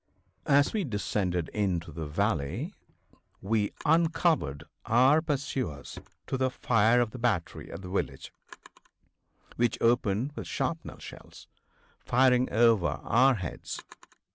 As we descended into the valley we uncovered our pursuers to the fire of the battery at the village, which opened with shrapnel shells, firing over our heads.